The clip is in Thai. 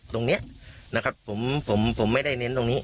ตรงนี้ผมไม่ได้เน้นตรงนี้